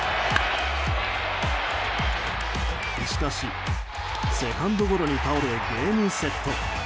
しかしセカンドゴロに倒れゲームセット。